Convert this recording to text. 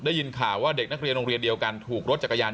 ได้ยินข่าวว่าเด็กนักเรียนโรงเรียนเดียวกันถูกรถจักรยาน